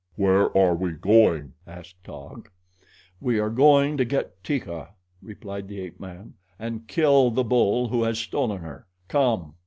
"Where are we going?" asked Taug. "We are going to get Teeka," replied the ape man, "and kill the bull who has stolen her. Come!"